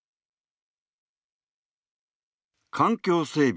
環境整備